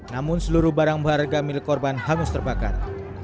namun seluruh barang bahar gamil korban hangus terbakar